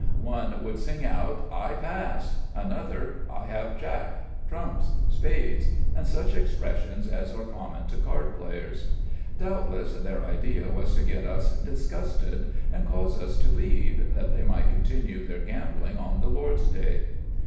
One would sing out " I pass," another " I have Jack," "trumps," "spades," and such expressions as are common to card players. Doubtless their idea was to get us disgusted, and cause us to leave, that they might continue their gambling on the Lord's day.